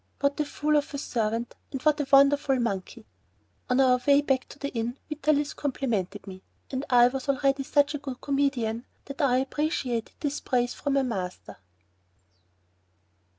What a fool of a servant and what a wonderful monkey! On our way back to the inn Vitalis complimented me, and I was already such a good comedian that I appreciated this praise from my master.